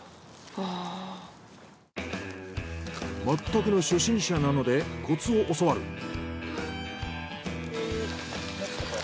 まったくの初心者なのでコツを教わる。